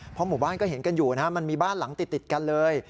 เพราะหมู่บ้านก็เห็นกันอยู่นะฮะมันมีบ้านหลังติดกันเลย